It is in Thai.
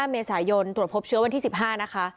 เมษายนตรวจพบเชื้อวันที่๑๕นะคะ